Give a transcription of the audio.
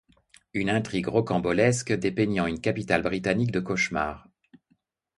Une intrigue rocambolesque dépeignant une capitale britannique de cauchemar...